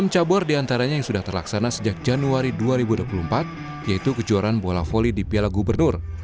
enam cabur diantaranya yang sudah terlaksana sejak januari dua ribu dua puluh empat yaitu kejuaraan bola voli di piala gubernur